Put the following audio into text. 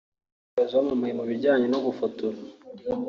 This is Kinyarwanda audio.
umudagekazi wamamaye mu bijyanye no gufotora